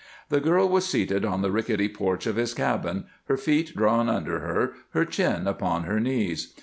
The girl was seated on the rickety porch of his cabin, her feet drawn under her, her chin upon her knees.